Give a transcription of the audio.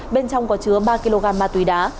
bên trong có chứa ba kg ma túy đá